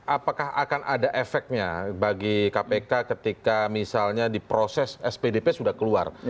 apakah akan ada efeknya bagi kpk ketika misalnya di proses spdp sudah keluar